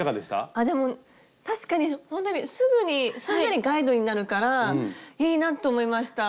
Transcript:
あっでも確かにほんとにすぐにすんなりガイドになるからいいなと思いました。